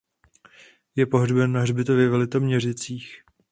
Je pohřben na hřbitově v Litoměřicích.